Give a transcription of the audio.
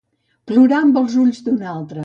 Plorar amb els ulls d'un altre.